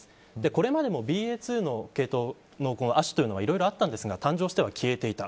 これまでもＢＡ．２の系統の亜種というのはいろいろあったんですが誕生しては消えていた。